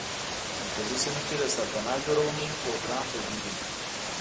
په مرکزي سیمو کې د سرپناه جوړونې پروګرام پیلېږي.